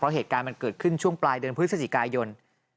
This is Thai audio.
เหตุการณ์มันเกิดขึ้นช่วงปลายเดือนพฤศจิกายน